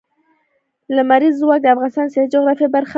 لمریز ځواک د افغانستان د سیاسي جغرافیه برخه ده.